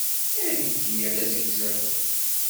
Ariki-a d azegzaw.